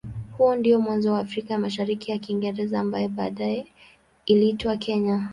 Huo ndio mwanzo wa Afrika ya Mashariki ya Kiingereza ambaye baadaye iliitwa Kenya.